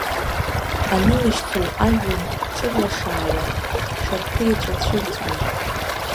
Анылашьцоу ажәҩан ҵырлашаауа Шарԥыеҵәа цәырҵуеит.